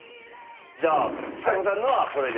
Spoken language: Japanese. じゃあちさ子さんのはこれで。